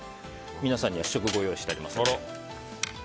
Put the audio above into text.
皆さんには試食ご用意してありますので。